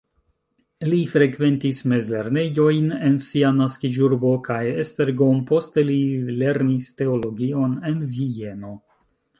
Li frekventis mezlernejojn en sia naskiĝurbo kaj Esztergom, poste li lernis teologion en Vieno.